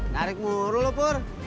tarik muru lu pur